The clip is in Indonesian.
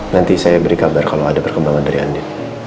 nanti saya beri kabar kalau ada perkembangan dari anda